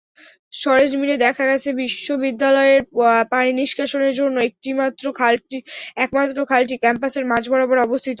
সরেজমিনে দেখা গেছে, বিশ্ববিদ্যালয়ের পানিনিষ্কাশনের জন্য একমাত্র খালটি ক্যাম্পাসের মাঝ বরাবর অবস্থিত।